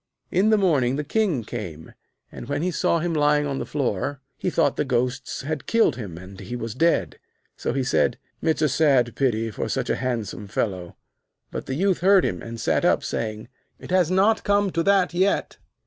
In the morning the King came, and when he saw him lying on the floor, he thought the ghosts had killed him, and he was dead. So he said: 'It's a sad pity, for such a handsome fellow.' But the Youth heard him, and sat up, saying: 'It has not come to that yet.'